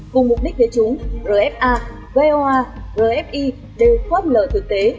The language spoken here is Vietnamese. cùng mục đích thế chúng rfa voa rfi đều phóp lời thực tế